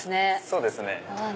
そうですね。